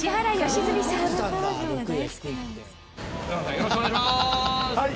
よろしくお願いします。